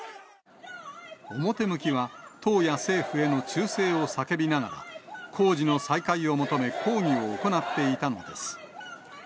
表向きは党や政府への忠誠を叫びながら、工事の再開を求め、抗議を行っていたのです。